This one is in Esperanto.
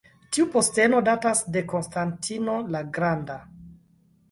Tiu posteno datas de Konstantino la Granda.